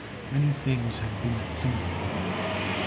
Many things had been attended to.